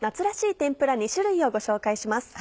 天ぷら２種類をご紹介します。